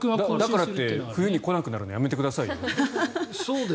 だからって冬に来なくなるのやめてくださいよ。